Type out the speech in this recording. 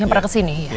yang pernah kesini ya